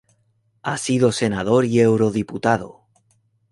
Ha sido senador y eurodiputado.